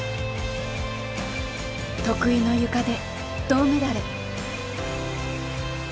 得意のゆかで銅メダル。